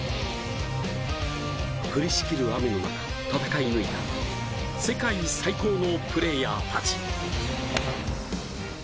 降りしきる雨の中戦い抜いた世界最高のプレーヤーたち。